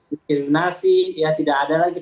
diskriminasi ya tidak ada lagi